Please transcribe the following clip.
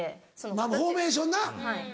フォーメーションな。